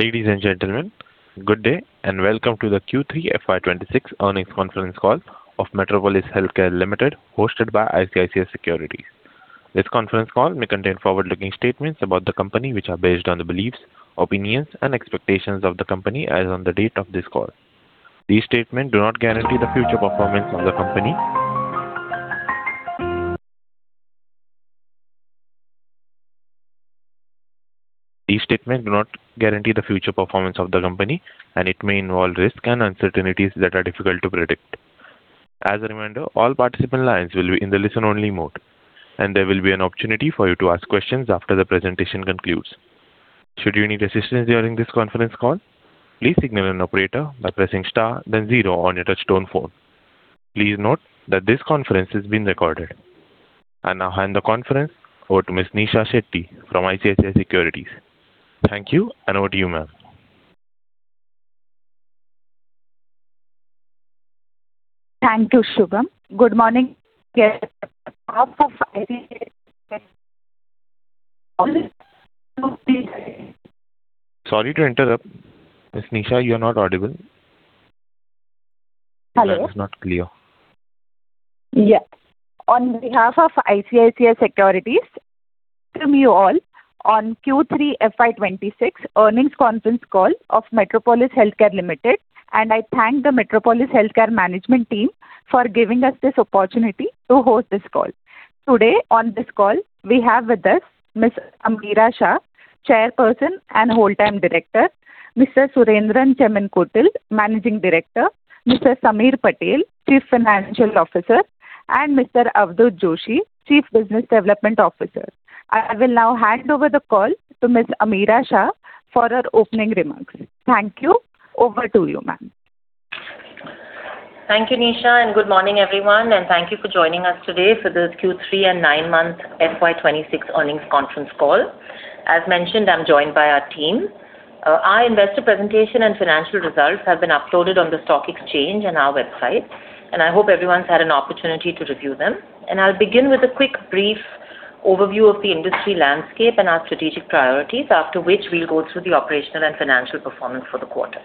Ladies and gentlemen, good day, and welcome to the Q3 FY 2026 earnings conference call of Metropolis Healthcare Limited, hosted by ICICI Securities. This conference call may contain forward-looking statements about the company, which are based on the beliefs, opinions, and expectations of the company as on the date of this call. These statements do not guarantee the future performance of the company. These statements do not guarantee the future performance of the company, and it may involve risks and uncertainties that are difficult to predict. As a reminder, all participant lines will be in the listen-only mode, and there will be an opportunity for you to ask questions after the presentation concludes. Should you need assistance during this conference call, please signal an operator by pressing star then zero on your touchtone phone. Please note that this conference is being recorded. I now hand the conference over to Ms. Nisha Shetty from ICICI Securities. Thank you, and over to you, ma'am. Thank you, Shubham. Good morning, again. Sorry to interrupt. Ms. Nisha, you are not audible. Hello? It's not clear. Yeah. On behalf of ICICI Securities, welcome you all on Q3 FY 2026 earnings conference call of Metropolis Healthcare Limited, and I thank the Metropolis Healthcare management team for giving us this opportunity to host this call. Today, on this call, we have with us Ms. Ameera Shah, Chairperson and Whole-time Director, Mr. Surendran Chemmenkotil, Managing Director, Mr. Sameer Patel, Chief Financial Officer, and Mr. Avadhut Joshi, Chief Business Development Officer. I will now hand over the call to Ms. Ameera Shah for her opening remarks. Thank you. Over to you, ma'am. Thank you, Nisha, and good morning, everyone, and thank you for joining us today for this Q3 and nine-month FY 2026 earnings conference call. As mentioned, I'm joined by our team. Our investor presentation and financial results have been uploaded on the stock exchange and our website, and I hope everyone's had an opportunity to review them. And I'll begin with a quick, brief overview of the industry landscape and our strategic priorities, after which we'll go through the operational and financial performance for the quarter.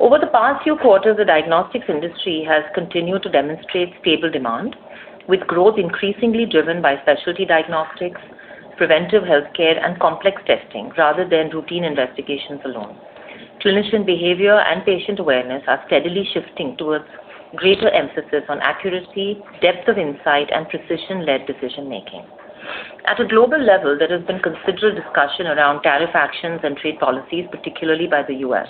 Over the past few quarters, the diagnostics industry has continued to demonstrate stable demand, with growth increasingly driven by specialty diagnostics, preventive healthcare, and complex testing rather than routine investigations alone. Clinician behavior and patient awareness are steadily shifting towards greater emphasis on accuracy, depth of insight, and precision-led decision-making. At a global level, there has been considerable discussion around tariff actions and trade policies, particularly by the U.S.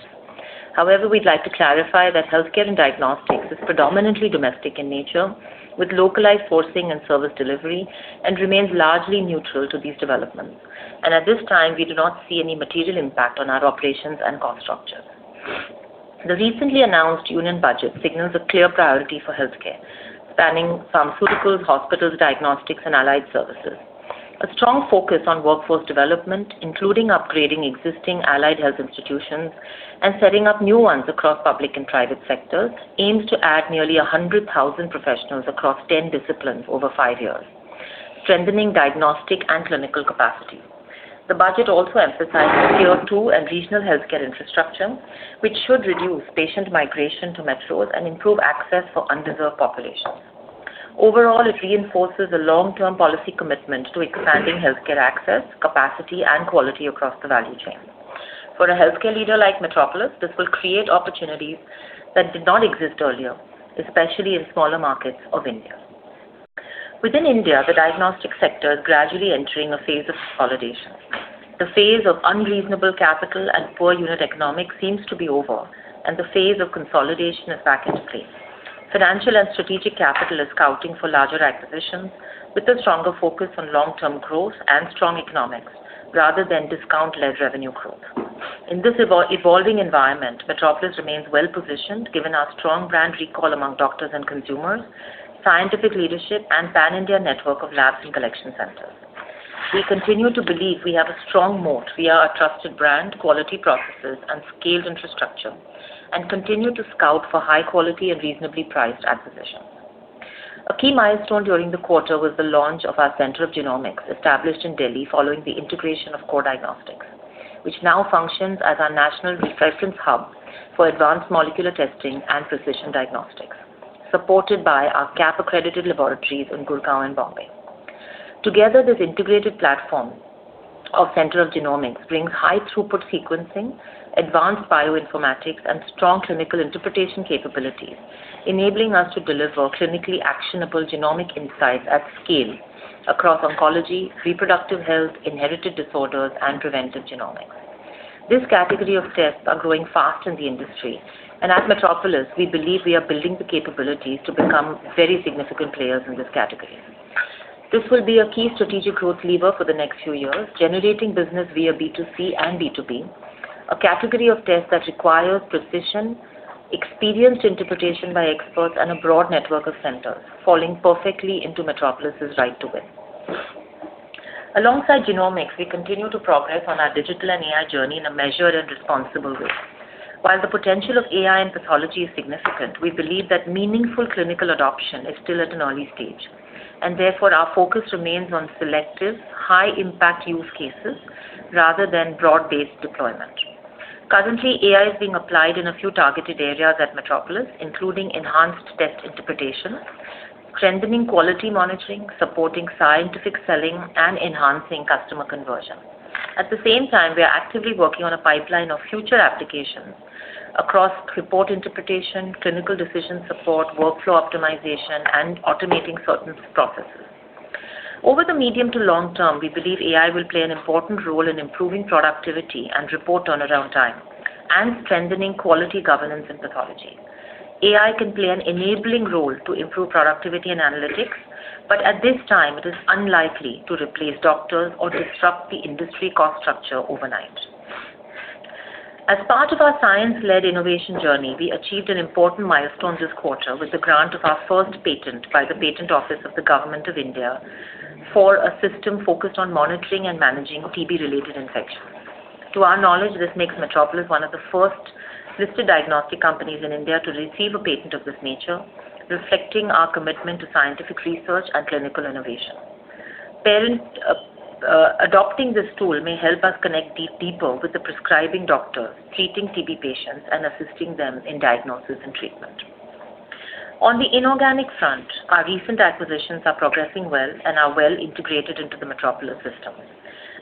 However, we'd like to clarify that healthcare and diagnostics is predominantly domestic in nature, with localized sourcing and service delivery, and remains largely neutral to these developments. At this time, we do not see any material impact on our operations and cost structures. The recently announced Union Budget signals a clear priority for healthcare, spanning pharmaceuticals, hospitals, diagnostics, and allied services. A strong focus on workforce development, including upgrading existing allied health institutions and setting up new ones across public and private sectors, aims to add nearly 100,000 professionals across 10 disciplines over 5 years, strengthening diagnostic and clinical capacity. The budget also emphasizes Tier 2 and regional healthcare infrastructure, which should reduce patient migration to metros and improve access for underserved populations. Overall, it reinforces a long-term policy commitment to expanding healthcare access, capacity, and quality across the value chain. For a healthcare leader like Metropolis, this will create opportunities that did not exist earlier, especially in smaller markets of India. Within India, the diagnostic sector is gradually entering a phase of consolidation. The phase of unreasonable capital and poor unit economics seems to be over, and the phase of consolidation is back in play. Financial and strategic capital is scouting for larger acquisitions, with a stronger focus on long-term growth and strong economics rather than discount-led revenue growth. In this evolving environment, Metropolis remains well-positioned, given our strong brand recall among doctors and consumers, scientific leadership, and pan-India network of labs and collection centers. We continue to believe we have a strong moat via our trusted brand, quality processes, and scaled infrastructure, and continue to scout for high quality and reasonably priced acquisitions. A key milestone during the quarter was the launch of our Centre of Genomics, established in Delhi, following the integration of CORE Diagnostics, which now functions as our national reference hub for advanced molecular testing and precision diagnostics, supported by our CAP-accredited laboratories in Gurgaon and Bombay. Together, this integrated platform of Centre of Genomics brings high-throughput sequencing, advanced bioinformatics, and strong clinical interpretation capabilities, enabling us to deliver clinically actionable genomic insights at scale across oncology, reproductive health, inherited disorders, and preventive genomics. This category of tests are growing fast in the industry, and at Metropolis, we believe we are building the capabilities to become very significant players in this category. This will be a key strategic growth lever for the next few years, generating business via B2C and B2B, a category of tests that requires precision, experienced interpretation by experts, and a broad network of centers, falling perfectly into Metropolis's right to win. Alongside genomics, we continue to progress on our digital and AI journey in a measured and responsible way. While the potential of AI in pathology is significant, we believe that meaningful clinical adoption is still at an early stage, and therefore, our focus remains on selective, high-impact use cases rather than broad-based deployment. Currently, AI is being applied in a few targeted areas at Metropolis, including enhanced test interpretation, strengthening quality monitoring, supporting scientific selling, and enhancing customer conversion. At the same time, we are actively working on a pipeline of future applications across report interpretation, clinical decision support, workflow optimization, and automating certain processes. Over the medium to long term, we believe AI will play an important role in improving productivity and report turnaround time and strengthening quality governance in pathology. AI can play an enabling role to improve productivity and analytics, but at this time, it is unlikely to replace doctors or disrupt the industry cost structure overnight. As part of our science-led innovation journey, we achieved an important milestone this quarter with the grant of our first patent by the Patent Office of the Government of India for a system focused on monitoring and managing TB-related infections. To our knowledge, this makes Metropolis one of the first listed diagnostic companies in India to receive a patent of this nature, reflecting our commitment to scientific research and clinical innovation. Parents, adopting this tool may help us connect deep, deeper with the prescribing doctors, treating TB patients, and assisting them in diagnosis and treatment. On the inorganic front, our recent acquisitions are progressing well and are well integrated into the Metropolis system.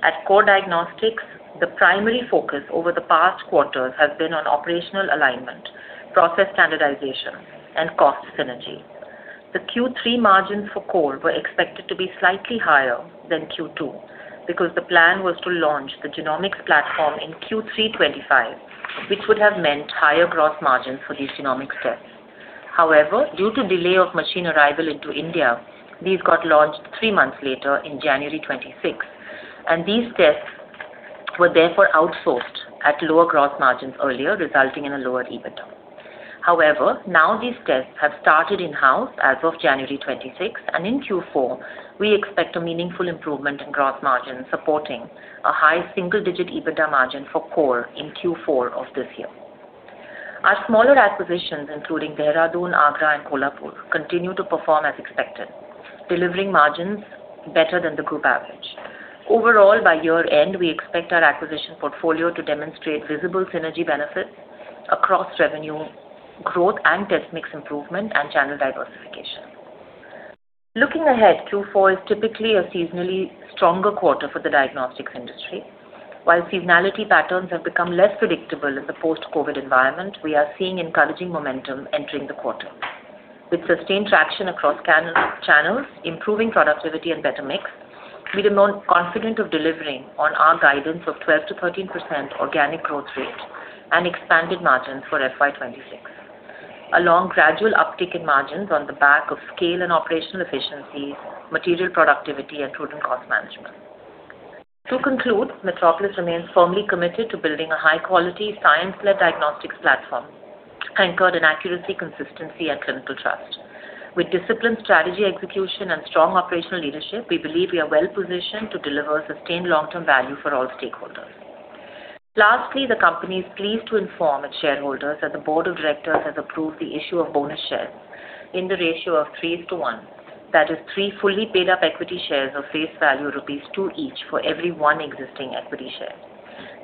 At Core Diagnostics, the primary focus over the past quarters has been on operational alignment, process standardization, and cost synergy. The Q3 margins for Core were expected to be slightly higher than Q2, because the plan was to launch the genomics platform in Q3 2025, which would have meant higher gross margins for these genomics tests. However, due to delay of machine arrival into India, these got launched three months later in January 2026, and these tests were therefore outsourced at lower gross margins earlier, resulting in a lower EBITDA. However, now these tests have started in-house as of January 26th, and in Q4, we expect a meaningful improvement in gross margin, supporting a high single-digit EBITDA margin for Core in Q4 of this year. Our smaller acquisitions, including Dehradun, Agra, and Kolhapur, continue to perform as expected, delivering margins better than the group average. Overall, by year-end, we expect our acquisition portfolio to demonstrate visible synergy benefits across revenue, growth and test mix improvement, and channel diversification. Looking ahead, Q4 is typically a seasonally stronger quarter for the diagnostics industry. While seasonality patterns have become less predictable in the post-COVID environment, we are seeing encouraging momentum entering the quarter. With sustained traction across channels, improving productivity and better mix, we remain confident of delivering on our guidance of 12%-13% organic growth rate and expanded margins for FY 2026, along gradual uptick in margins on the back of scale and operational efficiencies, material productivity, and prudent cost management. To conclude, Metropolis remains firmly committed to building a high-quality, science-led diagnostics platform, anchored in accuracy, consistency, and clinical trust. With disciplined strategy, execution, and strong operational leadership, we believe we are well-positioned to deliver sustained long-term value for all stakeholders. Lastly, the company is pleased to inform its shareholders that the board of directors has approved the issue of bonus shares in the ratio of 3 to 1, that is 3 fully paid-up equity shares of face value rupees 2 each for every 1 existing equity share,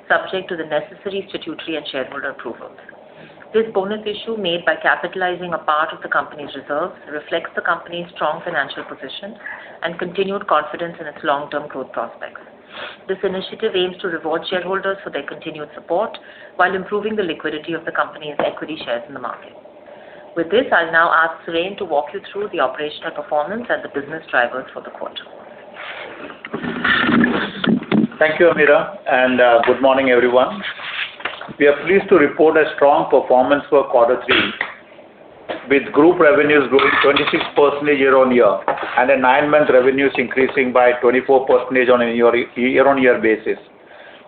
subject to the necessary statutory and shareholder approvals. This bonus issue, made by capitalizing a part of the company's reserves, reflects the company's strong financial position and continued confidence in its long-term growth prospects. This initiative aims to reward shareholders for their continued support while improving the liquidity of the company's equity shares in the market. With this, I'll now ask Suren to walk you through the operational performance and the business drivers for the quarter. Thank you, Ameera, and good morning, everyone. We are pleased to report a strong performance for quarter three, with group revenues growing 26% year-on-year and the nine-month revenues increasing by 24% on a year-on-year basis.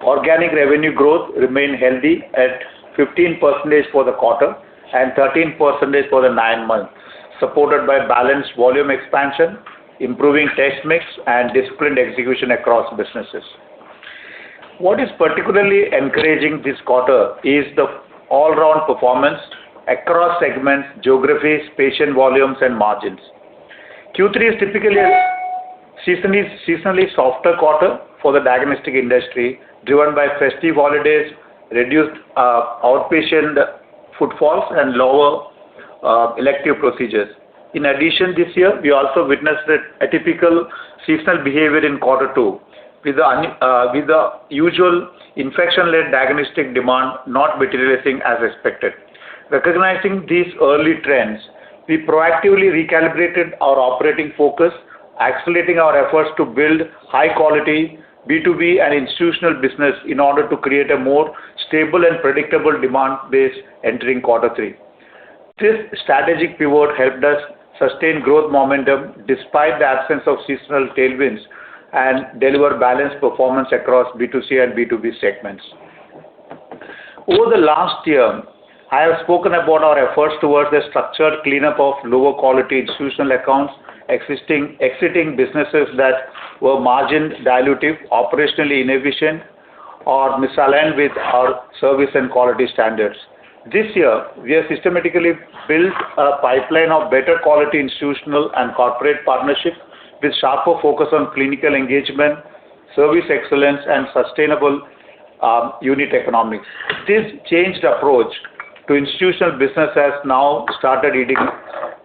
Organic revenue growth remained healthy at 15% for the quarter and 13% for the nine months, supported by balanced volume expansion, improving test mix, and disciplined execution across businesses. What is particularly encouraging this quarter is the all-round performance across segments, geographies, patient volumes, and margins. Q3 is typically a seasonally softer quarter for the diagnostic industry, driven by festive holidays, reduced outpatient footfalls, and lower elective procedures. In addition, this year, we also witnessed an atypical seasonal behavior in quarter two, with the usual infection-led diagnostic demand not materializing as expected. Recognizing these early trends, we proactively recalibrated our operating focus, accelerating our efforts to build high-quality B2B and institutional business in order to create a more stable and predictable demand base entering quarter three. This strategic pivot helped us sustain growth momentum despite the absence of seasonal tailwinds, and deliver balanced performance across B2C and B2B segments. Over the last year, I have spoken about our efforts towards the structured cleanup of lower quality institutional accounts, existing, exiting businesses that were margin dilutive, operationally inefficient, or misaligned with our service and quality standards. This year, we have systematically built a pipeline of better quality institutional and corporate partnerships, with sharper focus on clinical engagement, service excellence, and sustainable unit economics. This changed approach to institutional business has now started yielding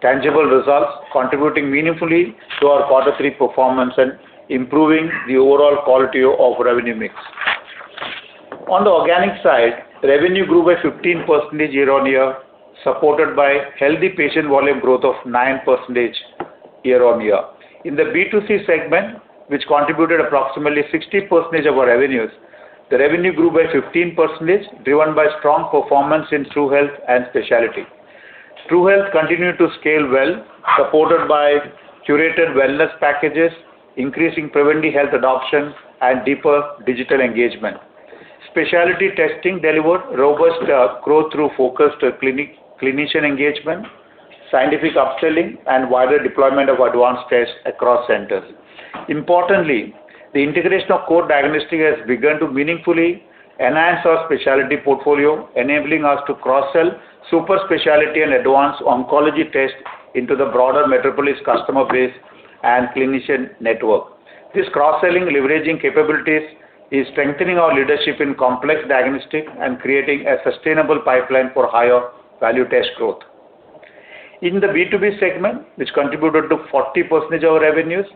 tangible results, contributing meaningfully to our Quarter Three performance and improving the overall quality of revenue mix. On the organic side, revenue grew by 15% year-on-year, supported by healthy patient volume growth of 9% year-on-year. In the B2C segment, which contributed approximately 60% of our revenues, the revenue grew by 15%, driven by strong performance in TruHealth and specialty. TruHealth continued to scale well, supported by curated wellness packages, increasing preventive health adoption, and deeper digital engagement. Specialty testing delivered robust growth through focused clinician engagement, scientific upselling, and wider deployment of advanced tests across centers. Importantly, the integration of CORE Diagnostics has begun to meaningfully enhance our specialty portfolio, enabling us to cross-sell super specialty and advanced oncology tests into the broader Metropolis customer base and clinician network. This cross-selling leveraging capabilities is strengthening our leadership in complex diagnostic and creating a sustainable pipeline for higher value test growth. In the B2B segment, which contributed to 40% of our revenues,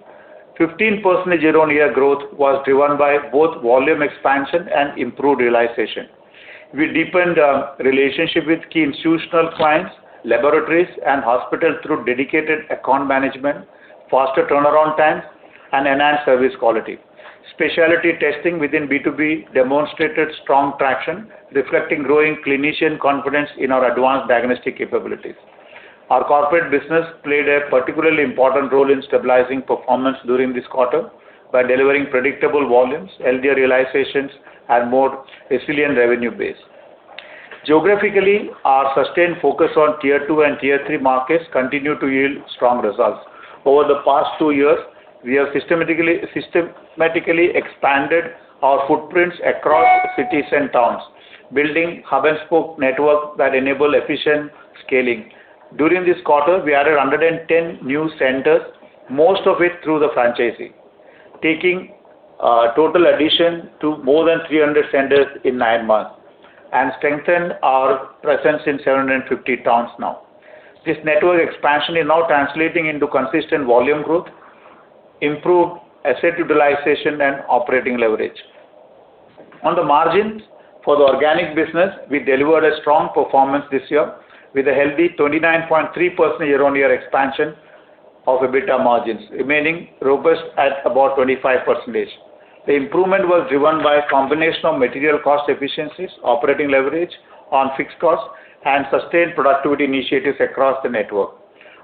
15% year-on-year growth was driven by both volume expansion and improved realization. We deepened relationship with key institutional clients, laboratories, and hospitals through dedicated account management, faster turnaround times, and enhanced service quality. Specialty testing within B2B demonstrated strong traction, reflecting growing clinician confidence in our advanced diagnostic capabilities. Our corporate business played a particularly important role in stabilizing performance during this quarter, by delivering predictable volumes, healthier realizations, and more resilient revenue base. Geographically, our sustained focus on Tier 2 and Tier 3 markets continue to yield strong results. Over the past two years, we have systematically expanded our footprints across cities and towns, building hub-and-spoke network that enable efficient scaling. During this quarter, we added 110 new centers, most of it through the franchising, taking total addition to more than 300 centers in nine months, and strengthened our presence in 750 towns now. This network expansion is now translating into consistent volume growth, improved asset utilization, and operating leverage. On the margins for the organic business, we delivered a strong performance this year, with a healthy 29.3% year-on-year expansion of EBITDA margins, remaining robust at about 25%. The improvement was driven by a combination of material cost efficiencies, operating leverage on fixed costs, and sustained productivity initiatives across the network.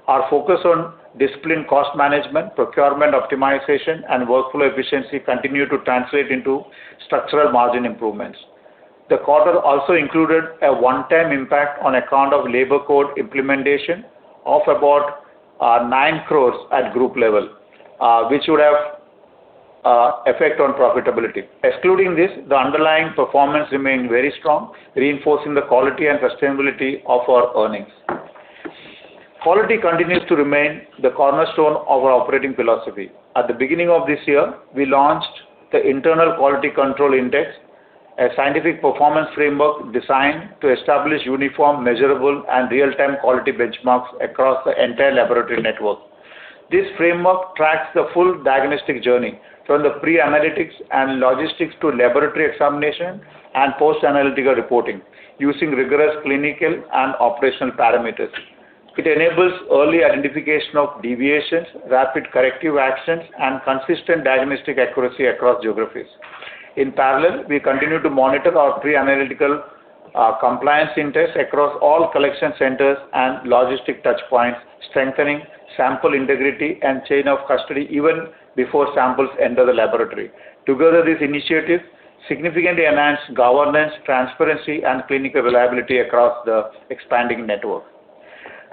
Our focus on disciplined cost management, procurement optimization, and workflow efficiency continue to translate into structural margin improvements. The quarter also included a one-time impact on account of Labour Code implementation of about 9 crore at group level, which would have effect on profitability. Excluding this, the underlying performance remained very strong, reinforcing the quality and sustainability of our earnings. Quality continues to remain the cornerstone of our operating philosophy. At the beginning of this year, we launched the Internal Quality Control Index, a scientific performance framework designed to establish uniform, measurable, and real-time quality benchmarks across the entire laboratory network. This framework tracks the full diagnostic journey, from the pre-analytics and logistics to laboratory examination and post-analytical reporting, using rigorous clinical and operational parameters. It enables early identification of deviations, rapid corrective actions, and consistent diagnostic accuracy across geographies. In parallel, we continue to monitor our pre-analytical compliance index across all collection centers and logistic touch points, strengthening sample integrity and chain of custody even before samples enter the laboratory. Together, these initiatives significantly enhance governance, transparency, and clinical reliability across the expanding network.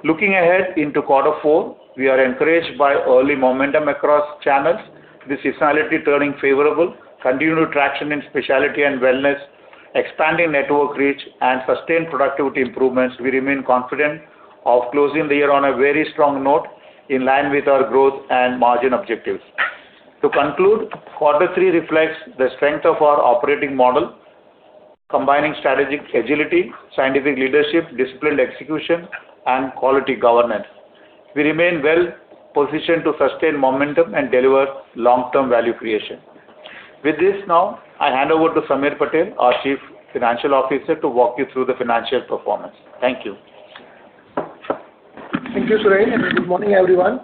Looking ahead into Quarter Four, we are encouraged by early momentum across channels, the seasonality turning favorable, continued traction in specialty and wellness, expanding network reach, and sustained productivity improvements. We remain confident of closing the year on a very strong note, in line with our growth and margin objectives. To conclude, Quarter Three reflects the strength of our operating model, combining strategic agility, scientific leadership, disciplined execution, and quality governance. We remain well-positioned to sustain momentum and deliver long-term value creation. With this now, I hand over to Sameer Patel, our Chief Financial Officer, to walk you through the financial performance. Thank you. Thank you, Suren, and good morning, everyone.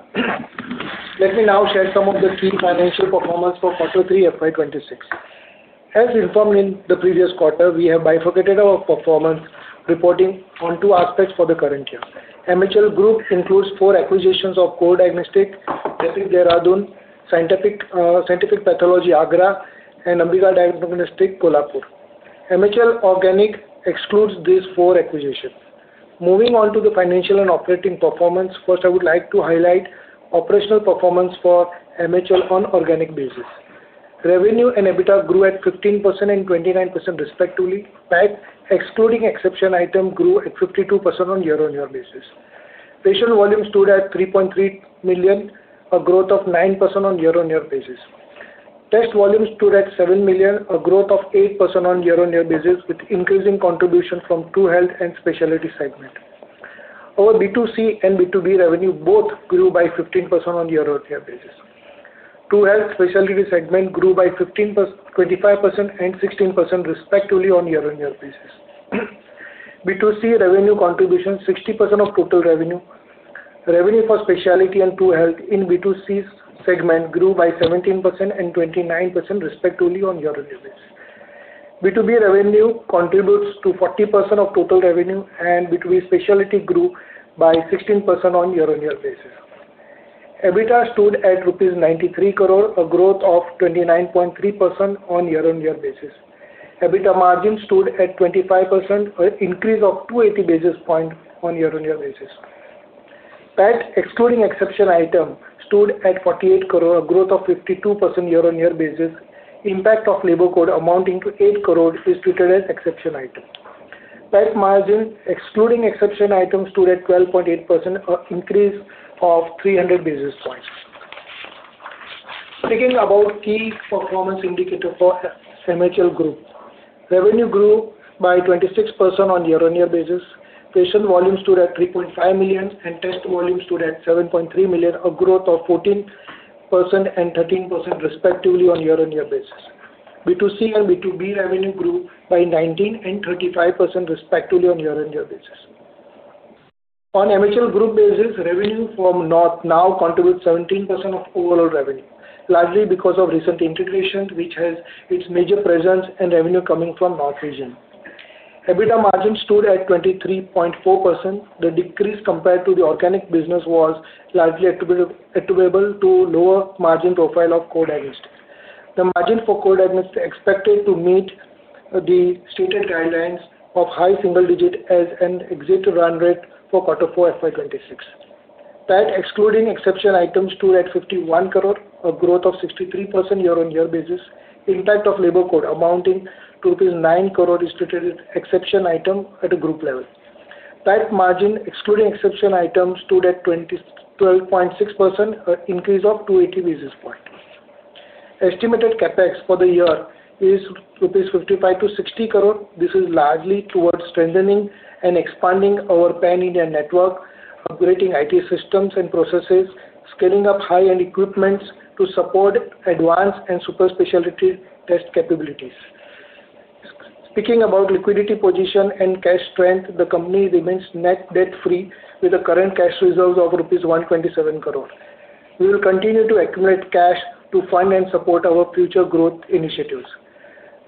Let me now share some of the key financial performance for quarter three, FY 2026. As informed in the previous quarter, we have bifurcated our performance reporting on two aspects for the current year. MHL Group includes four acquisitions of Core Diagnostics, Repro, Dehradun, Scientific Pathology, Agra, and Ambika Diagnostics, Kolhapur. MHL Organic excludes these four acquisitions. Moving on to the financial and operating performance, first, I would like to highlight operational performance for MHL on organic basis. Revenue and EBITDA grew at 15% and 29% respectively. PAT, excluding exception item, grew at 52% on year-on-year basis. Patient volume stood at 3.3 million, a growth of 9% on year-on-year basis. Test volume stood at 7 million, a growth of 8% on year-on-year basis, with increasing contribution from TruHealth and Specialty segment. Our B2C and B2B revenue both grew by 15% on year-on-year basis. TruHealth Specialty segment grew by 15%, 25% and 16% respectively on year-on-year basis. B2C revenue contribution, 60% of total revenue. Revenue for Specialty and TruHealth in B2C segment grew by 17% and 29% respectively on year-on-year basis. B2B revenue contributes to 40% of total revenue, and B2B Specialty grew by 16% on year-on-year basis. EBITDA stood at rupees 93 crore, a growth of 29.3% on year-on-year basis. EBITDA margin stood at 25%, an increase of 280 basis points on year-on-year basis. PAT, excluding exception item, stood at 48 crore, a growth of 52% year-on-year basis. Impact of Labor Code amounting to 8 crore is treated as exception item. PAT margin, excluding exception item, stood at 12.8%, an increase of 300 basis points. Speaking about key performance indicator for MHL Group. Revenue grew by 26% on year-on-year basis. Patient volume stood at 3.5 million, and test volume stood at 7.3 million, a growth of 14% and 13% respectively on year-on-year basis. B2C and B2B revenue grew by 19% and 35% respectively on year-on-year basis. On MHL Group basis, revenue from North now contributes 17% of overall revenue, largely because of recent integration, which has its major presence and revenue coming from North region. EBITDA margin stood at 23.4%. The decrease compared to the organic business was largely attributable to lower margin profile of CORE Diagnostics. The margin for Core Diagnostics is expected to meet the stated guidelines of high single digit as an exit run rate for quarter four, FY 2026. PAT, excluding exception items, stood at 51 crore, a growth of 63% year-on-year basis. Impact of Labor Code amounting to rupees 9 crore is treated as exception item at a group level. PAT margin, excluding exception item, stood at 12.6%, an increase of 280 basis points. Estimated CapEx for the year is 55 crore-60 crore rupees. This is largely towards strengthening and expanding our pan-Indian network, upgrading IT systems and processes, scaling up high-end equipments to support advanced and super specialty test capabilities. Speaking about liquidity position and cash strength, the company remains net debt-free, with a current cash reserve of rupees 127 crore. We will continue to accumulate cash to fund and support our future growth initiatives.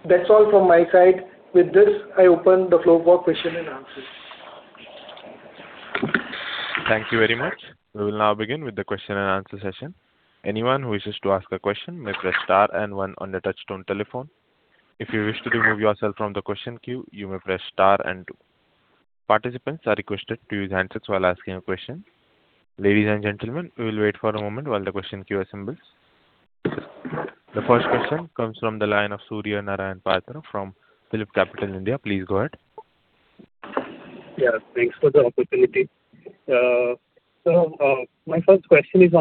That's all from my side. With this, I open the floor for question and answer. Thank you very much. We will now begin with the question and answer session. Anyone who wishes to ask a question may press star and one on the touchtone telephone. If you wish to remove yourself from the question queue, you may press star and two. Participants are requested to use handsets while asking a question. Ladies and gentlemen, we will wait for a moment while the question queue assembles. The first question comes from the line of Surya Narayan Patra, from Phillip Capital India. Please go ahead. Yeah, thanks for the opportunity. So, my first question is,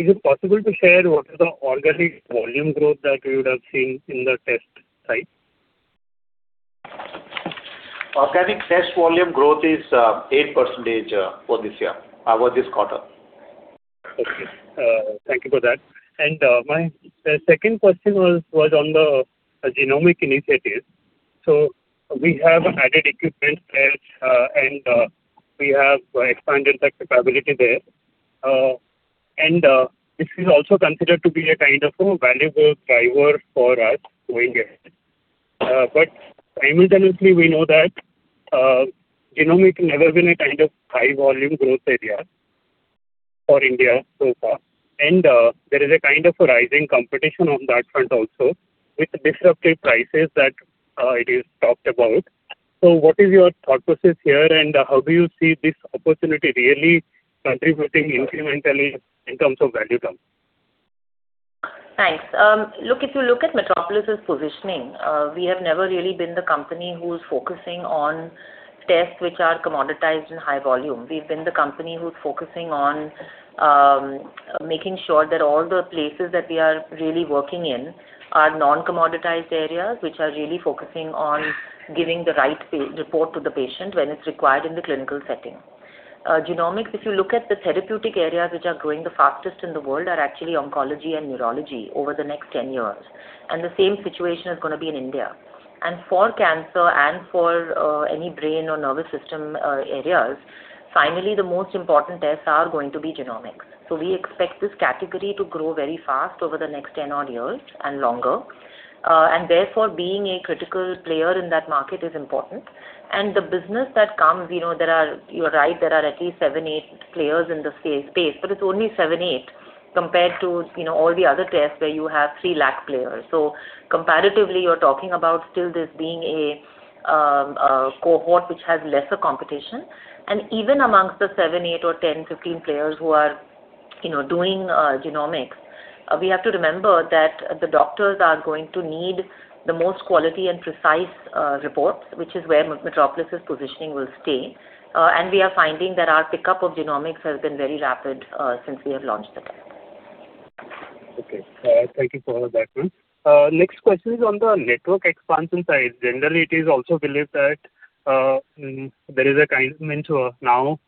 is it possible to share what is the organic volume growth that you would have seen in the test site? Organic test volume growth is 8% for this year, for this quarter. Okay. Thank you for that. And my second question was on the genomic initiatives. So we have added equipment there, and we have expanded that capability there. And this is also considered to be a kind of valuable driver for us going ahead. But simultaneously, we know that genomics never been a kind of high volume growth area for India so far. And there is a kind of a rising competition on that front also, with disruptive prices that it is talked about. So what is your thought process here, and how do you see this opportunity really contributing incrementally in terms of value terms? Thanks. Look, if you look at Metropolis's positioning, we have never really been the company who's focusing on tests which are commoditized in high volume. We've been the company who's focusing on making sure that all the places that we are really working in are non-commoditized areas, which are really focusing on giving the right patient report to the patient when it's required in the clinical setting. Genomics, if you look at the therapeutic areas which are growing the fastest in the world, are actually oncology and neurology over the next 10 years, and the same situation is going to be in India. And for cancer and for any brain or nervous system areas, finally, the most important tests are going to be genomics. So we expect this category to grow very fast over the next 10 odd years and longer. Therefore, being a critical player in that market is important. The business that comes, you know. You are right, there are at least 7-8 players in the space, but it's only 7-8 compared to, you know, all the other tests where you have 300,000 players. So comparatively, you're talking about still this being a cohort which has lesser competition. Even amongst the 7-8 or 10-15 players who are, you know, doing genomics, we have to remember that the doctors are going to need the most quality and precise reports, which is where Metropolis' positioning will stay. We are finding that our pickup of genomics has been very rapid since we have launched the test. Okay. Thank you for all that, ma'am. Next question is on the network expansion side. Generally, it is also believed that there is a kind of moderation now.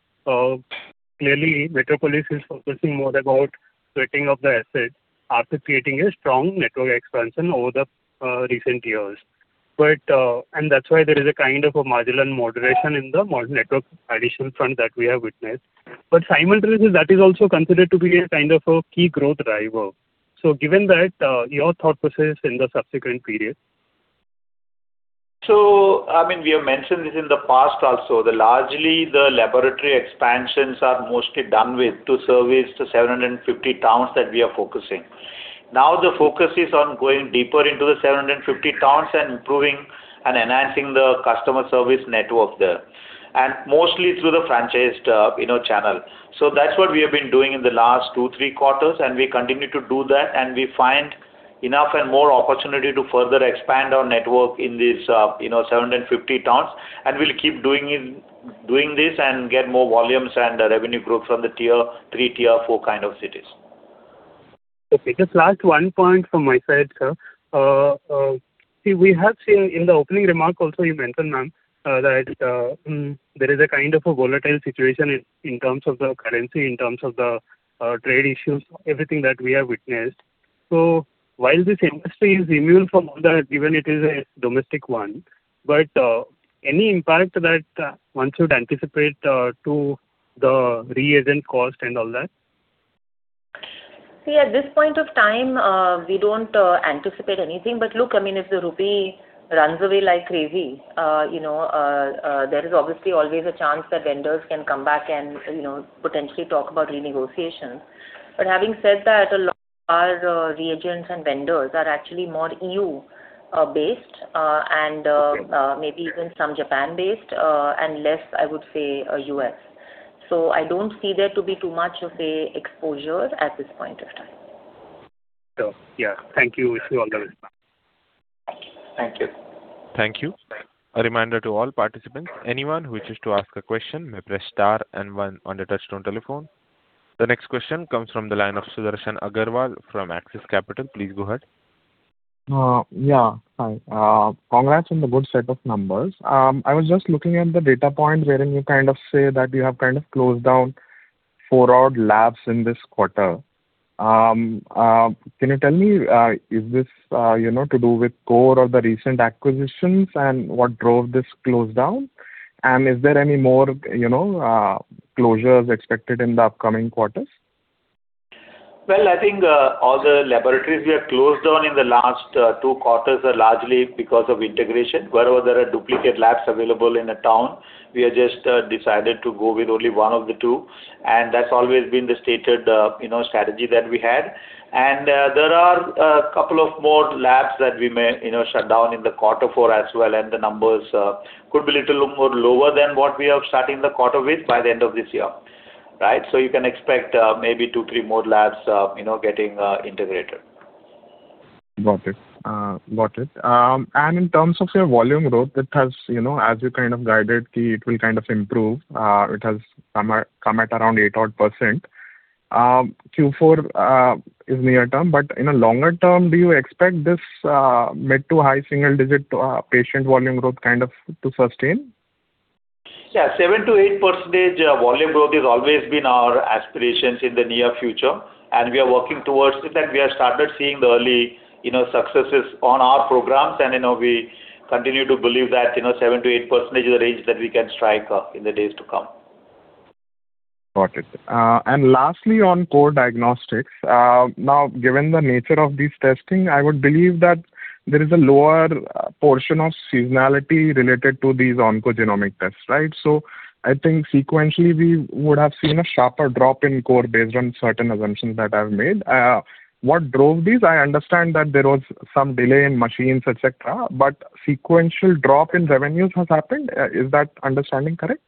Clearly, Metropolis is focusing more about sweating of the assets after creating a strong network expansion over the recent years. But, and that's why there is a kind of a marginal moderation in the number of network additions front that we have witnessed. But simultaneously, that is also considered to be a kind of a key growth driver. So given that, your thought process in the subsequent period? So I mean, we have mentioned this in the past also, largely the laboratory expansions are mostly done with to service the 750 towns that we are focusing. Now, the focus is on going deeper into the 750 towns and improving and enhancing the customer service network there, and mostly through the franchised, you know, channel. So that's what we have been doing in the last 2, 3 quarters, and we continue to do that, and we find enough and more opportunity to further expand our network in this, you know, 750 towns. And we'll keep doing it, doing this and get more volumes and revenue growth from the tier 3, tier 4 kind of cities. Okay. Just last one point from my side, sir. See, we have seen in the opening remark also, you mentioned, ma'am, that there is a kind of a volatile situation in terms of the currency, in terms of the trade issues, everything that we have witnessed. So while this industry is immune from all that, given it is a domestic one, but any impact that one should anticipate to the reagent cost and all that? See, at this point of time, we don't anticipate anything. But look, I mean, if the rupee runs away like crazy, you know, there is obviously always a chance that vendors can come back and, you know, potentially talk about renegotiation. But having said that, a lot of our reagents and vendors are actually more EU based, and- Okay. Maybe even some Japan-based, and less, I would say, U.S. So I don't see there to be too much of a exposure at this point of time. So, yeah. Thank you. Wish you all the best. Thank you. Thank you. Thank you. A reminder to all participants, anyone who wishes to ask a question may press star and one on the touchtone telephone. The next question comes from the line of Sudarshan Agarwal from Axis Capital. Please go ahead. Yeah, hi. Congrats on the good set of numbers. I was just looking at the data point wherein you kind of say that you have kind of closed down four odd labs in this quarter. Can you tell me, is this, you know, to do with CORE or the recent acquisitions, and what drove this close down? And is there any more, you know, closures expected in the upcoming quarters? Well, I think, all the laboratories we have closed down in the last, two quarters are largely because of integration. Wherever there are duplicate labs available in a town, we have just, decided to go with only one of the two, and that's always been the stated, you know, strategy that we had. And, there are a couple of more labs that we may, you know, shut down in quarter four as well, and the numbers, could be little more lower than what we are starting the quarter with by the end of this year, right? So you can expect, maybe two, three more labs, you know, getting, integrated. Got it. Got it. And in terms of your volume growth, it has, you know, as you kind of guided, it will kind of improve. It has come at around 8 odd%. Q4 is near term, but in a longer term, do you expect this mid- to high-single-digit patient volume growth kind of to sustain? Yeah, 7%-8% volume growth has always been our aspirations in the near future, and we are working towards it. We have started seeing the early, you know, successes on our programs, and, you know, we continue to believe that, you know, 7%-8% is the range that we can strike in the days to come. Got it. And lastly, on CORE Diagnostics. Now, given the nature of this testing, I would believe that there is a lower portion of seasonality related to these oncogenomic tests, right? So I think sequentially, we would have seen a sharper drop in CORE based on certain assumptions that I've made. What drove this? I understand that there was some delay in machines, et cetera, et cetera, but sequential drop in revenues has happened. Is that understanding correct?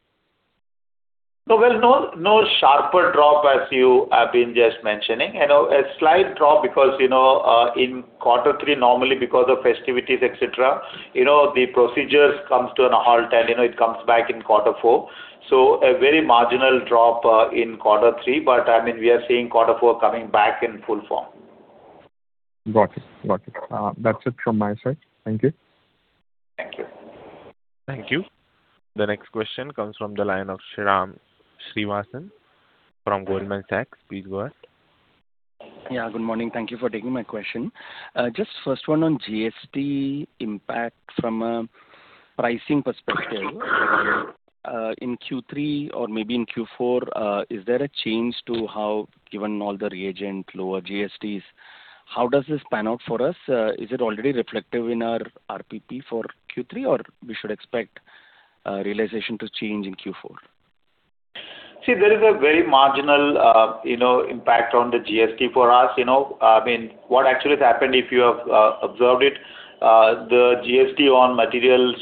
So there's no sharper drop, as you have been just mentioning. You know, a slight drop because, you know, in quarter three, normally because of festivities, et cetera, you know, the procedures come to a halt, and, you know, it comes back in quarter four. So a very marginal drop in quarter three, but I mean, we are seeing quarter four coming back in full form. Got it. Got it. That's it from my side. Thank you. Thank you. Thank you. The next question comes from the line of Shyam Srinivasan from Goldman Sachs. Please go ahead. Yeah, good morning. Thank you for taking my question. Just first one on GST impact from a pricing perspective. In Q3 or maybe in Q4, is there a change to how, given all the reagent, lower GSTs? How does this pan out for us? Is it already reflective in our RPP for Q3, or we should expect realization to change in Q4? See, there is a very marginal, you know, impact on the GST for us, you know. I mean, what actually has happened, if you have observed it, the GST on materials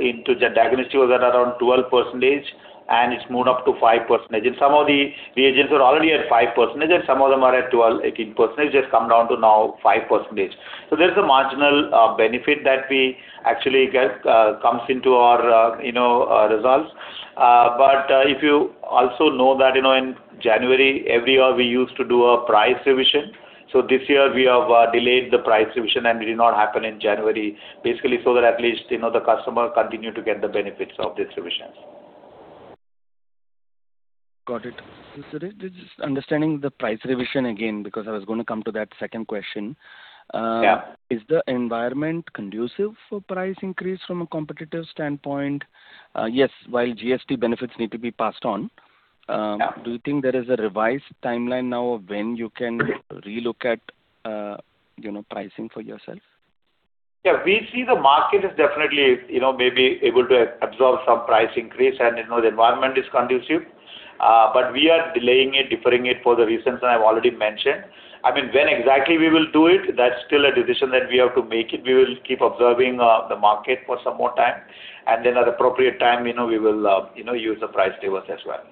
into diagnostics was at around 12%, and it's moved up to 5%. In some of the regions were already at 5%, and some of them are at 12, 18%, just come down to now 5%. So there's a marginal benefit that we actually get comes into our, you know, results. But if you also know that, you know, in January, every year, we used to do a price revision. So this year we have delayed the price revision, and it did not happen in January. Basically, so that at least, you know, the customer continue to get the benefits of this revision. Got it. So just understanding the price revision again, because I was going to come to that second question. Yeah. -is the environment conducive for price increase from a competitive standpoint? Yes, while GST benefits need to be passed on, Yeah. Do you think there is a revised timeline now of when you can relook at, you know, pricing for yourself? Yeah, we see the market is definitely, you know, maybe able to absorb some price increase, and, you know, the environment is conducive. But we are delaying it, deferring it for the reasons that I've already mentioned. I mean, when exactly we will do it, that's still a decision that we have to make it. We will keep observing the market for some more time, and then at appropriate time, you know, we will, you know, use the price revision as well.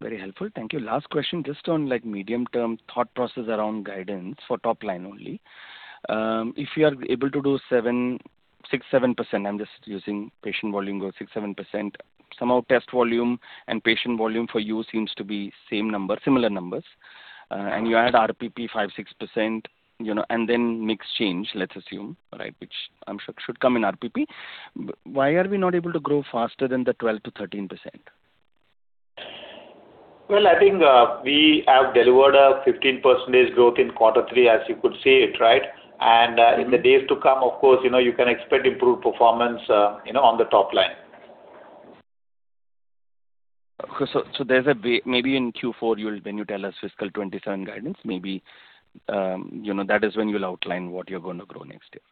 Very helpful. Thank you. Last question, just on, like, medium-term thought process around guidance for top line only. If you are able to do 6%-7%, I'm just using patient volume growth 6%-7%. Somehow, test volume and patient volume for you seems to be same number, similar numbers. And you add RPP 5%-6%, you know, and then mix change, let's assume, right, which I'm sure should come in RPP. Why are we not able to grow faster than the 12%-13%? Well, I think, we have delivered a 15% growth in quarter three, as you could see it, right? And, in the days to come, of course, you know, you can expect improved performance, you know, on the top line. Okay. So there's a big, maybe in Q4, you'll, when you tell us fiscal 27 guidance, maybe, you know, that is when you'll outline what you're going to grow next year.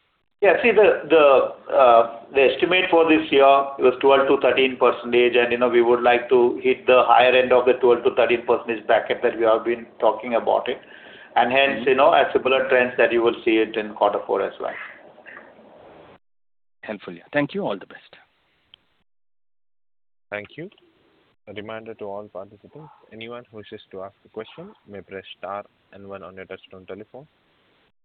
Yeah. See, the estimate for this year was 12%-13%, and, you know, we would like to hit the higher end of the 12%-13% bracket that we have been talking about it. Mm-hmm. Hence, you know, as similar trends that you will see it in quarter four as well. Helpful, yeah. Thank you. All the best. Thank you. A reminder to all participants, anyone who wishes to ask a question, may press star and one on your touchtone telephone.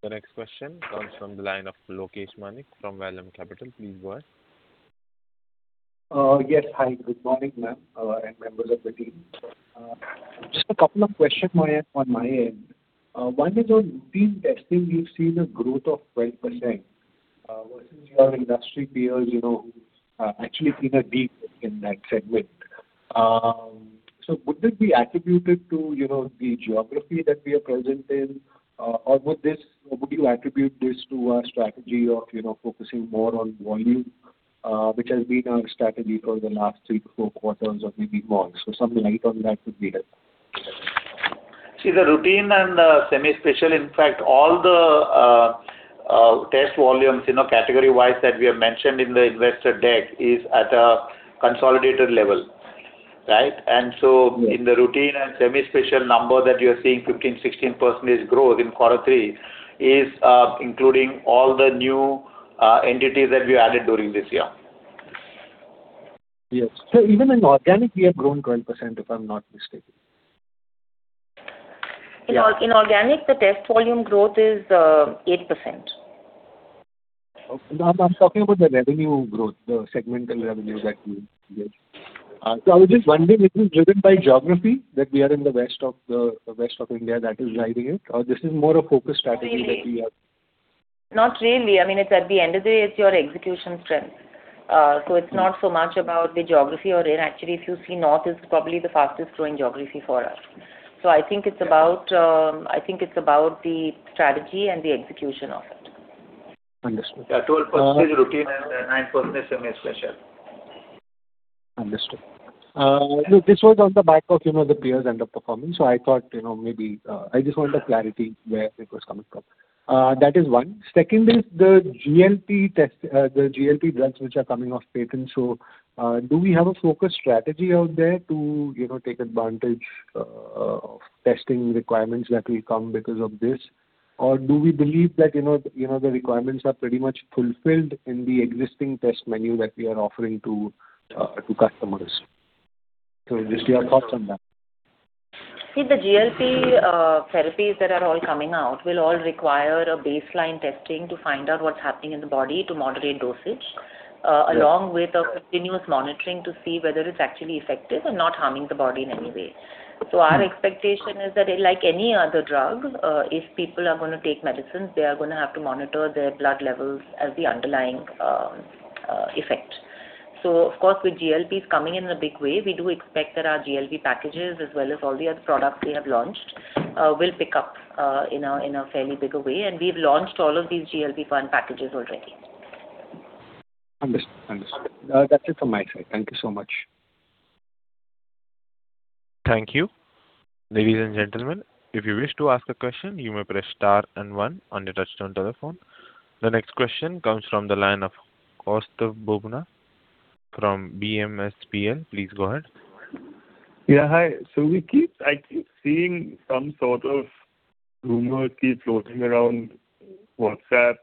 The next question comes from the line of Lokesh Manik from Vallum Capital. Please go ahead. Yes. Hi, good morning, ma'am, and members of the team. Just a couple of questions I have on my end. One is on routine testing, you've seen a growth of 12%, versus your industry peers, you know, actually seen a dip in that segment. So would this be attributed to, you know, the geography that we are present in? Or would you attribute this to a strategy of, you know, focusing more on volume, which has been our strategy for the last 3-4 quarters or maybe more? So something light on that would be helpful. See, the routine and semi-special, in fact, all the test volumes, you know, category-wise, that we have mentioned in the investor deck is at a consolidated level, right? Mm-hmm. And so in the routine and semi-special number that you're seeing 15-16% growth in quarter three is including all the new entities that we added during this year. Yes. So even in organic, we have grown 12%, if I'm not mistaken. In organic, the test volume growth is 8%. Okay. No, I'm talking about the revenue growth, the segmental revenue that you get. So I was just wondering if it was driven by geography, that we are in the west of India that is driving it, or this is more a focused strategy that we have? Not really. I mean, it's at the end of the day, it's your execution strength. So it's not so much about the geography or actually, if you see, north is probably the fastest growing geography for us. So I think it's about, I think it's about the strategy and the execution of it. Understood. Yeah, 12% is routine and 9% semi-special. Understood. This was on the back of, you know, the peers underperforming. So I thought, you know, maybe, I just wanted a clarity where it was coming from. That is one. Second is the GLP test, the GLP drugs, which are coming off patent. So, do we have a focused strategy out there to, you know, take advantage of testing requirements that will come because of this? Or do we believe that, you know, you know, the requirements are pretty much fulfilled in the existing test menu that we are offering to customers? So just your thoughts on that. See, the GLP therapies that are all coming out will all require a baseline testing to find out what's happening in the body, to moderate dosage, Yeah. along with a continuous monitoring to see whether it's actually effective and not harming the body in any way. Mm-hmm. So our expectation is that, like any other drug, if people are going to take medicines, they are going to have to monitor their blood levels as the underlying effect. So of course, with GLPs coming in a big way, we do expect that our GLP-1 packages, as well as all the other products we have launched, will pick up in a fairly bigger way. And we've launched all of these GLP-1 packages already. Understood. Understood. That's it from my side. Thank you so much. Thank you. Ladies and gentlemen, if you wish to ask a question, you may press star and one on your touchtone telephone. The next question comes from the line of Kaustav Bubna from BMSPL. Please go ahead. Yeah. Hi. So we keep I keep seeing some sort of rumors keep floating around WhatsApp,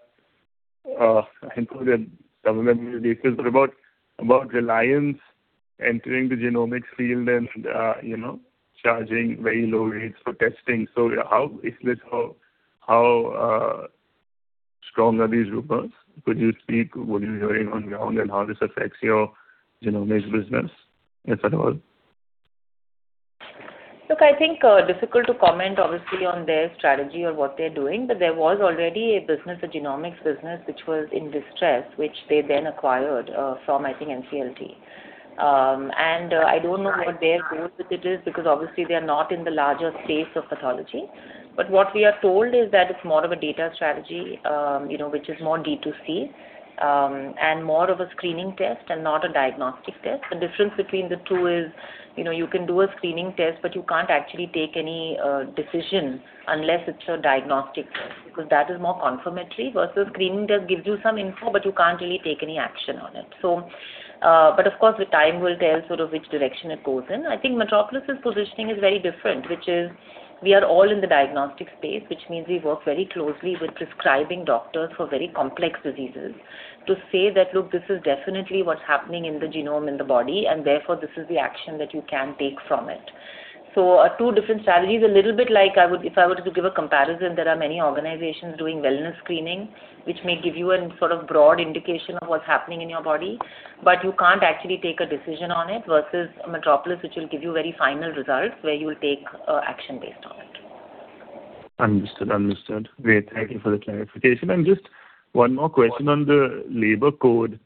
I include the government releases, but about, about Reliance entering the genomics field and, you know, charging very low rates for testing. So how is this, how, how strong are these rumors? Could you speak what you're hearing on ground and how this affects your genomics business, if at all? Look, I think, difficult to comment obviously on their strategy or what they're doing, but there was already a business, a genomics business, which was in distress, which they then acquired, from, I think, NCLT. And, I don't know what their goal with it is, because obviously they are not in the larger space of pathology. But what we are told is that it's more of a data strategy, you know, which is more D2C, and more of a screening test and not a diagnostic test. The difference between the two is, you know, you can do a screening test, but you can't actually take any decision unless it's a diagnostic test, because that is more confirmatory versus screening test gives you some info, but you can't really take any action on it. So, but of course, the time will tell sort of which direction it goes in. I think Metropolis's positioning is very different, which is we are all in the diagnostic space, which means we work very closely with prescribing doctors for very complex diseases. To say that, look, this is definitely what's happening in the genome in the body, and therefore this is the action that you can take from it. So two different strategies, a little bit like I would—if I were to give a comparison, there are many organizations doing wellness screening, which may give you a sort of broad indication of what's happening in your body, but you can't actually take a decision on it, versus Metropolis, which will give you very final results, where you will take, action based on it. Understood, understood. Great, thank you for the clarification. Just one more question on the Labor Code.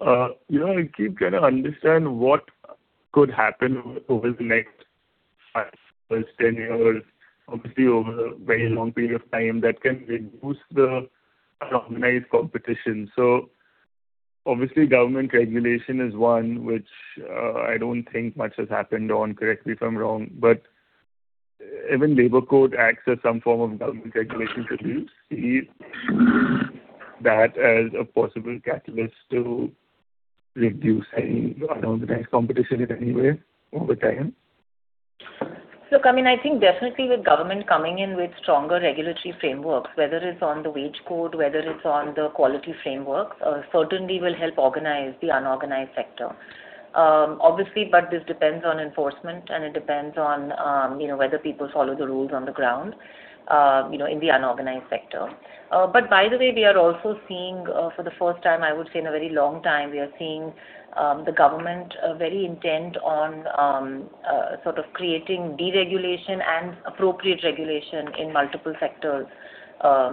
You know, I keep trying to understand what could happen over the next five years, 10 years, obviously over a very long period of time, that can reduce the organized competition. So obviously, government regulation is one which, I don't think much has happened on, correct me if I'm wrong, but even Labor Code acts as some form of government regulation. Could you see that as a possible catalyst to reduce any unorganized competition in any way over time? Look, I mean, I think definitely with government coming in with stronger regulatory frameworks, whether it's on the wage code, whether it's on the quality frameworks, certainly will help organize the unorganized sector. Obviously, but this depends on enforcement, and it depends on, you know, whether people follow the rules on the ground, you know, in the unorganized sector. But by the way, we are also seeing, for the first time, I would say in a very long time, we are seeing, the government very intent on, sort of creating deregulation and appropriate regulation in multiple sectors,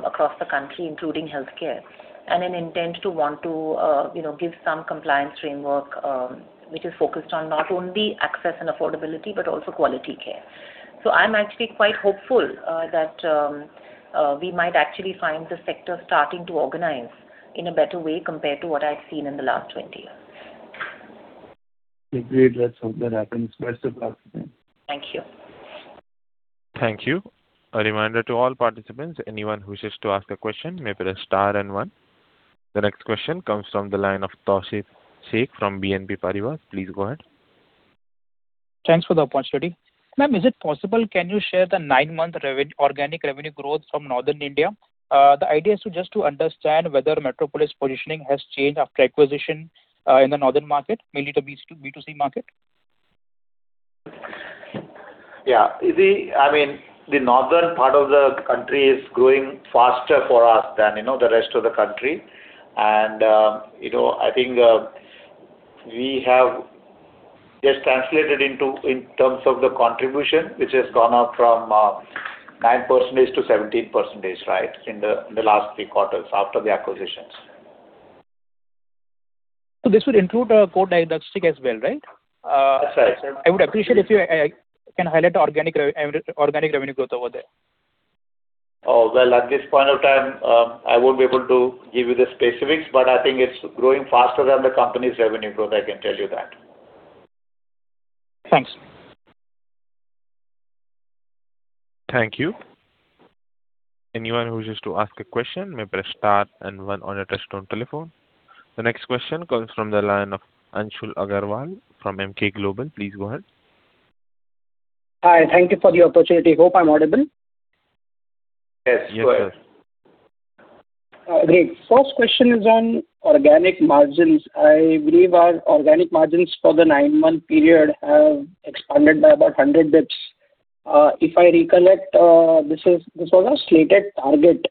across the country, including healthcare. And an intent to want to, you know, give some compliance framework, which is focused on not only access and affordability, but also quality care. I'm actually quite hopeful that we might actually find the sector starting to organize in a better way compared to what I've seen in the last 20 years. Agreed. Let's hope that happens. Best of luck. Thank you. Thank you. A reminder to all participants, anyone who wishes to ask a question, may press star and one. The next question comes from the line of Tausif Shaikh from BNP Paribas. Please go ahead. Thanks for the opportunity. Ma'am, is it possible, can you share the nine-month organic revenue growth from Northern India? The idea is to just to understand whether Metropolis positioning has changed after acquisition, in the Northern market, mainly the B2C market. Yeah, I mean, the northern part of the country is growing faster for us than, you know, the rest of the country. And, you know, I think, we have just translated into, in terms of the contribution, which has gone up from, 9% to 17%, right, in the last three quarters after the acquisitions. So this would include Core Diagnostics as well, right? That's right. I would appreciate if you can highlight the organic revenue growth over there. Oh, well, at this point of time, I won't be able to give you the specifics, but I think it's growing faster than the company's revenue growth. I can tell you that. Thanks. Thank you. Anyone who wishes to ask a question, may press star and one on your touchtone telephone. The next question comes from the line of Anshul Agrawal from Emkay Global. Please go ahead. Hi, thank you for the opportunity. Hope I'm audible. Yes, go ahead. Yes, sir. Great. First question is on organic margins. I believe our organic margins for the nine-month period have expanded by about 100 bips. If I recollect, this is, this was a slated target.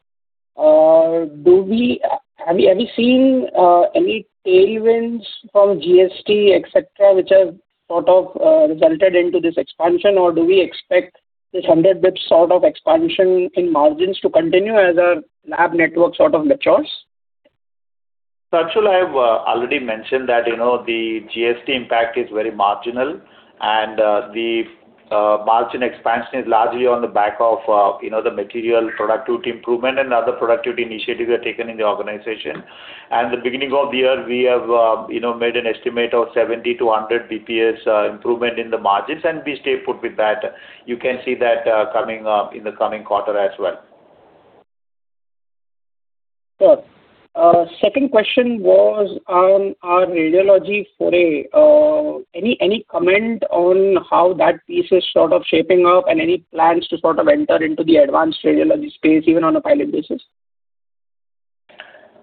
Have you seen any tailwinds from GST, et cetera, which have sort of resulted into this expansion? Or do we expect this 100 bips sort of expansion in margins to continue as our lab network sort of matures? So Anshul, I have already mentioned that, you know, the GST impact is very marginal, and the margin expansion is largely on the back of, you know, the material productivity improvement and other productivity initiatives we have taken in the organization. At the beginning of the year, we have, you know, made an estimate of 70-100 BPS improvement in the margins, and we stay put with that. You can see that, coming up in the coming quarter as well. Sure. Second question was on our radiology foray. Any comment on how that piece is sort of shaping up, and any plans to sort of enter into the advanced radiology space, even on a pilot basis?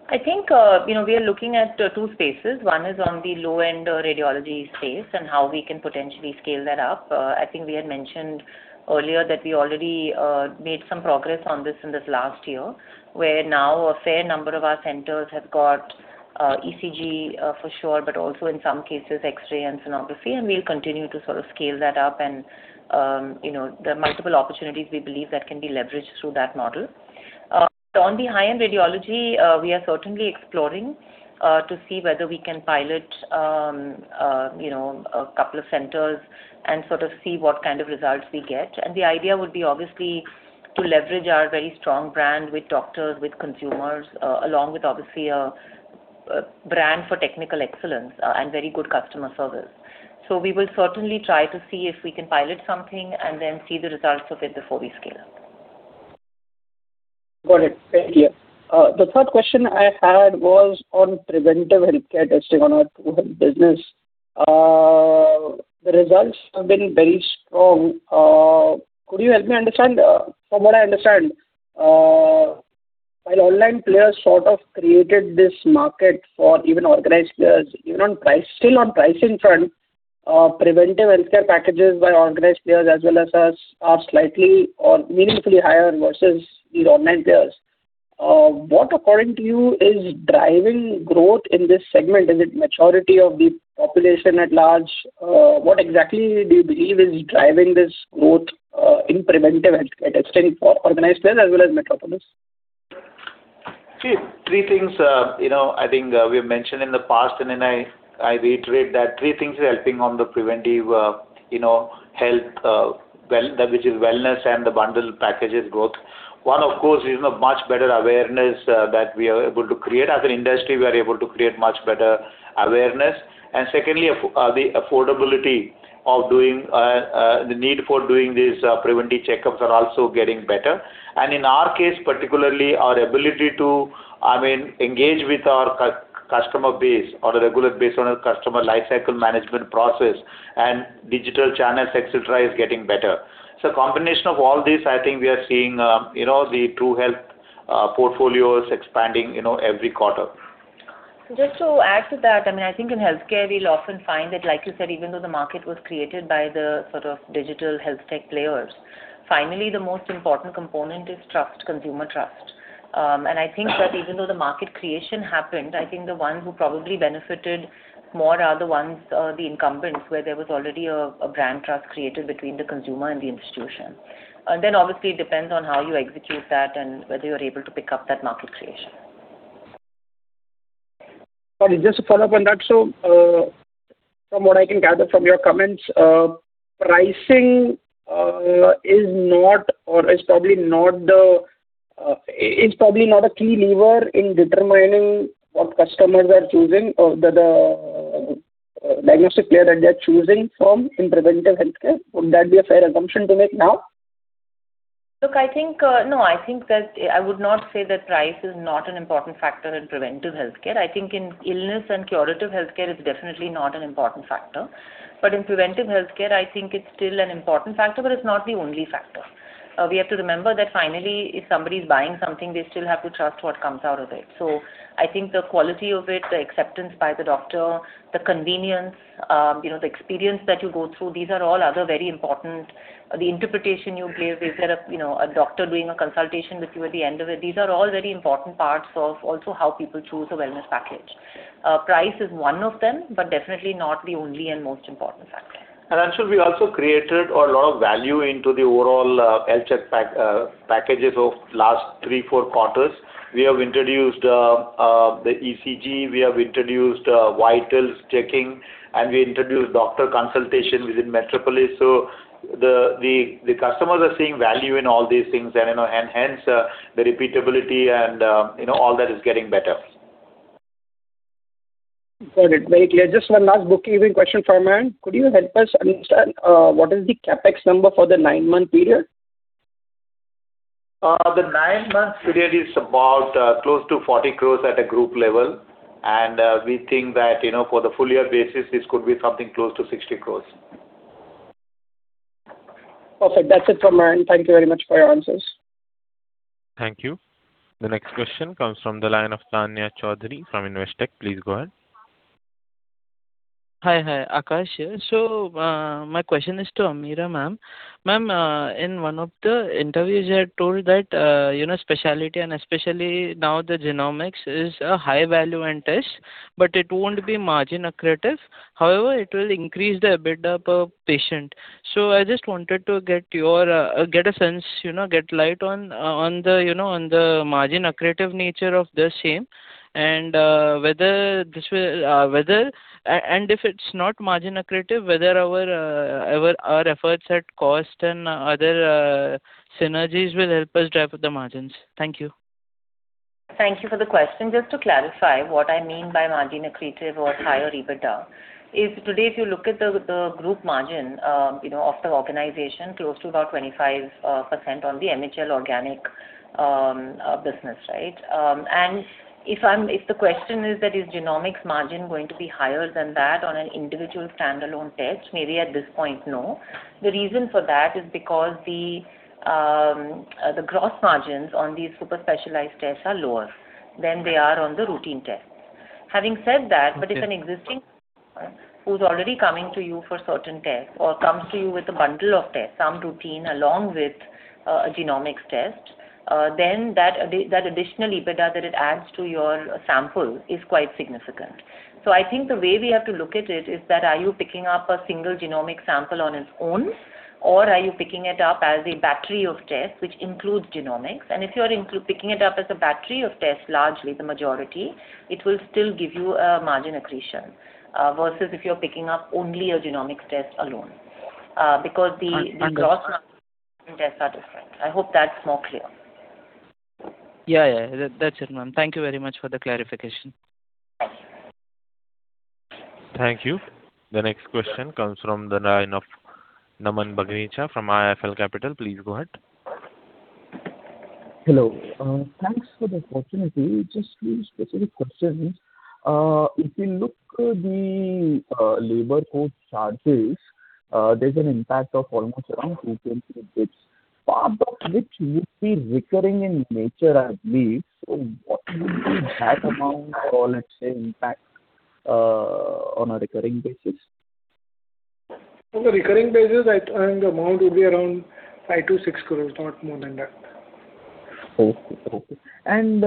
I think, you know, we are looking at two spaces. One is on the low-end radiology space and how we can potentially scale that up. I think we had mentioned earlier that we already made some progress on this in this last year, where now a fair number of our centers have got ECG for sure, but also in some cases, X-ray and sonography, and we'll continue to sort of scale that up and, you know, there are multiple opportunities we believe that can be leveraged through that model. On the high-end radiology, we are certainly exploring to see whether we can pilot, you know, a couple of centers and sort of see what kind of results we get. The idea would be, obviously, to leverage our very strong brand with doctors, with consumers, along with obviously, brand for technical excellence, and very good customer service. We will certainly try to see if we can pilot something and then see the results of it before we scale up. Got it. Thank you. The third question I had was on preventive healthcare testing on our business. The results have been very strong. Could you help me understand? From what I understand, while online players sort of created this market for even organized players, even on price, still on pricing front, preventive healthcare packages by organized players as well as us, are slightly or meaningfully higher versus the online players. What, according to you, is driving growth in this segment? Is it maturity of the population at large? What exactly do you believe is driving this growth, in preventive healthcare testing for organized players as well as Metropolis? See, three things, you know, I think, we have mentioned in the past, and then I reiterate that three things are helping on the preventive, you know, health, well, which is wellness and the bundle packages growth. One, of course, is the much better awareness, that we are able to create. As an industry, we are able to create much better awareness. And secondly, the affordability of doing, the need for doing these, preventive checkups are also getting better. And in our case, particularly, our ability to, I mean, engage with our customer base on a regular basis, on a customer lifecycle management process and digital channels, et cetera, is getting better. So combination of all this, I think we are seeing, you know, the TruHealth portfolios expanding, you know, every quarter. Just to add to that, I mean, I think in healthcare, we'll often find that, like you said, even though the market was created by the sort of digital health tech players, finally, the most important component is trust, consumer trust. And I think that even though the market creation happened, I think the one who probably benefited more are the ones, the incumbents, where there was already a brand trust created between the consumer and the institution. And then obviously, it depends on how you execute that and whether you're able to pick up that market creation. Got it. Just to follow up on that, so, from what I can gather from your comments, pricing is not or is probably not the, it's probably not a key lever in determining what customers are choosing or the diagnostic player that they are choosing from in preventive healthcare. Would that be a fair assumption to make now? Look, I think, No, I think that I would not say that price is not an important factor in preventive healthcare. I think in illness and curative healthcare, it's definitely not an important factor. But in preventive healthcare, I think it's still an important factor, but it's not the only factor. We have to remember that finally, if somebody's buying something, they still have to trust what comes out of it. So I think the quality of it, the acceptance by the doctor, the convenience, you know, the experience that you go through, these are all other very important. The interpretation you give, is there a, you know, a doctor doing a consultation with you at the end of it? These are all very important parts of also how people choose a wellness package. Price is one of them, but definitely not the only and most important factor. Anshul, we also created a lot of value into the overall health check pack packages of last three, four quarters. We have introduced the ECG, we have introduced vitals checking, and we introduced doctor consultation within Metropolis. So the customers are seeing value in all these things, and, you know, and hence the repeatability and, you know, all that is getting better. Got it. Very clear. Just one last quickie question for Ma'am. Could you help us understand what is the CapEx number for the nine-month period? The nine-month period is about close to 40 crore at a group level, and we think that, you know, for the full year basis, this could be something close to 60 crore. Perfect. That's it from me. Thank you very much for your answers. Thank you. The next question comes from the line of Tanya Chaudhary from Investec. Please go ahead. Hi, hi, Akash here. So, my question is to Ameera, ma'am. Ma'am, in one of the interviews, you had told that, you know, specialty and especially now the genomics is a high-value end test, but it won't be margin accretive. However, it will increase the EBITDA per patient. So I just wanted to get your, get a sense, you know, get light on, on the, you know, on the margin accretive nature of the same, and whether this will, and if it's not margin accretive, whether our efforts at cost and other synergies will help us drive up the margins? Thank you. Thank you for the question. Just to clarify, what I mean by margin accretive or higher EBITDA, is today, if you look at the group margin, you know, of the organization, close to about 25% on the MHL organic business, right? And if the question is that, is genomics margin going to be higher than that on an individual standalone test? Maybe at this point, no. The reason for that is because the gross margins on these super specialized tests are lower than they are on the routine test. Having said that, but if an existing customer, who's already coming to you for certain tests or comes to you with a bundle of tests, some routine, along with a genomics test, then that additional EBITDA that it adds to your sample is quite significant. So I think the way we have to look at it is that, are you picking up a single genomic sample on its own, or are you picking it up as a battery of tests, which includes genomics? And if you are picking it up as a battery of tests, largely, the majority, it will still give you a margin accretion, versus if you're picking up only a genomics test alone. Because the Understood. Gross margins tests are different. I hope that's more clear. Yeah, yeah. That, that's it, ma'am. Thank you very much for the clarification. Thank you. Thank you. The next question comes from the line of Naman Bagrecha from IIFL Capital. Please go ahead. Hello. Thanks for the opportunity. Just two specific questions. If you look at the Labour Court charges, there's an impact of almost around 80 million, part of which would be recurring in nature, at least. So what would be that amount or let's say, impact, on a recurring basis? On a recurring basis, I think the amount will be around 5 crore-6 crore, not more than that. Okay. Okay. And,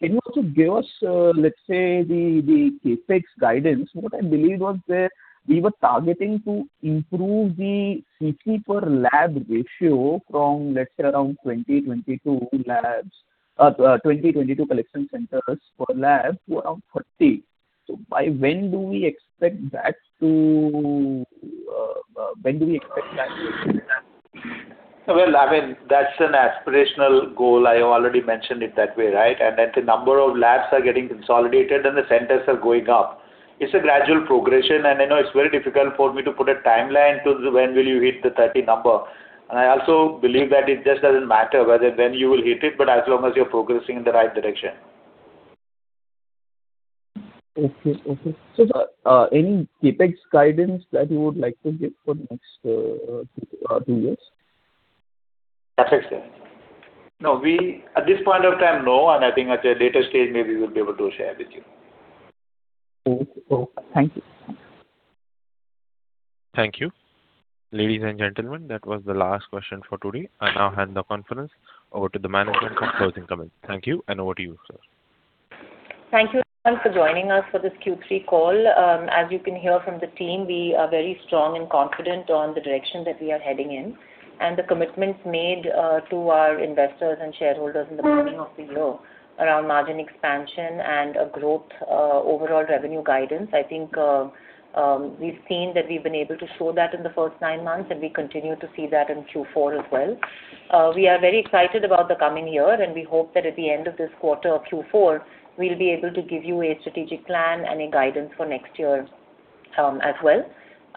can you also give us, let's say, the CapEx guidance? What I believe was that we were targeting to improve the city per lab ratio from, let's say, around 20-22 labs, 20-22 collection centers per lab to around 30. So by when do we expect that to happen? Well, I mean, that's an aspirational goal. I already mentioned it that way, right? That the number of labs are getting consolidated and the centers are going up. It's a gradual progression, and I know it's very difficult for me to put a timeline to when will you hit the 30 number. I also believe that it just doesn't matter whether when you will hit it, but as long as you're progressing in the right direction. Okay. Okay. So, any CapEx guidance that you would like to give for the next two years? CapEx, yeah. No, we... At this point of time, no, and I think at a later stage, maybe we'll be able to share with you. Okay. Okay. Thank you. Thank you. Ladies and gentlemen, that was the last question for today. I now hand the conference over to the management for closing comments. Thank you, and over to you, sir. Thank you all for joining us for this Q3 call. As you can hear from the team, we are very strong and confident on the direction that we are heading in, and the commitments made to our investors and shareholders in the beginning of the year, around margin expansion and a growth overall revenue guidance. I think we've seen that we've been able to show that in the first nine months, and we continue to see that in Q4 as well. We are very excited about the coming year, and we hope that at the end of this quarter of Q4, we'll be able to give you a strategic plan and a guidance for next year as well.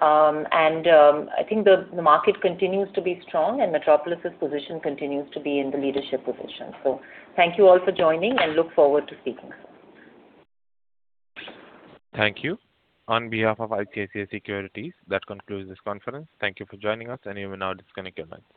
I think the market continues to be strong, and Metropolis' position continues to be in the leadership position. Thank you all for joining, and look forward to speaking soon. Thank you. On behalf of ICICI Securities, that concludes this conference. Thank you for joining us, and you may now disconnect your lines. Thank you.